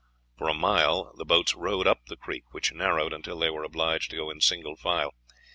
For a mile the boats rowed up the creek, which narrowed until they were obliged to go in single file.